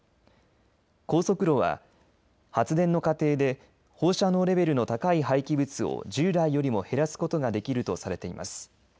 高速炉は発電の過程で放射能レベルの高い廃棄物を従来よりも減らすことができるとされています。